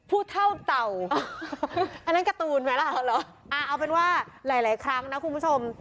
พูดเท่าเต่าอันนั้นการ์ตูนไหมล่ะอ่าเอาเป็นว่าหลายครั้งนะคุณผู้ชม